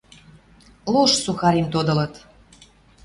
Лош сухарим тодылыт.